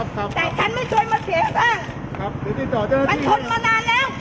แต่ฉันไม่ช่วยมาเสียแสง